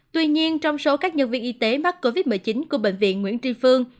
tuy nhiên trong số các nhân viên y tế mắc covid một mươi chín của bệnh viện nguyễn tri phương